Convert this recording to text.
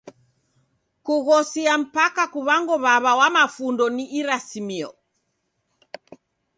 Kughosia mpaka kuw'ango w'aw'a wa mafundo ni irasimio.